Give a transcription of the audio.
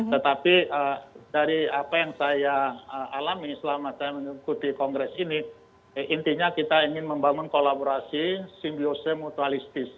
tetapi dari apa yang saya alami selama saya mengikuti kongres ini intinya kita ingin membangun kolaborasi simbiose mutualistis